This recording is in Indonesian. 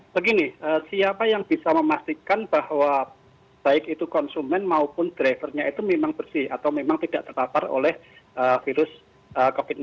begini siapa yang bisa memastikan bahwa baik itu konsumen maupun drivernya itu memang bersih atau memang tidak terpapar oleh virus covid sembilan belas